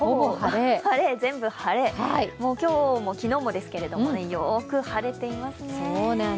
全部晴れ、今日も昨日もですけれども、よく晴れていますね。